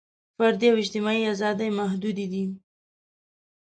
فردي او اجتماعي ازادۍ محدودې دي.